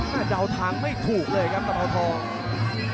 เดาทางไม่ถูกเลยครับตะเภาทอง